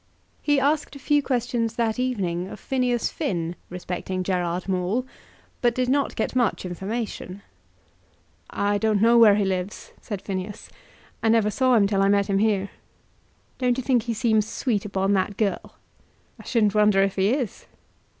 He asked a few questions that evening of Phineas Finn respecting Gerard Maule, but did not get much information. "I don't know where he lives;" said Phineas; "I never saw him till I met him here." "Don't you think he seems sweet upon that girl?" "I shouldn't wonder if he is."